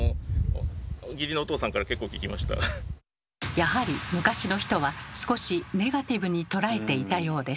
やはり昔の人は少しネガティブに捉えていたようです。